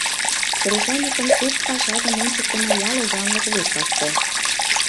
КРЕСАНЬЫКЫН СУРТ ПАШАЖЫМ ОНЧЫКТЫМО ЯЛ ОЗАНЛЫК ВЫСТАВКА